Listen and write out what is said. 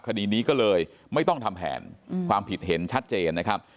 คดีนี้ก็เลยไม่ต้องทำแผนความผิดเห็นชัดเจนนะครับ